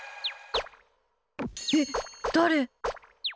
えっ、誰？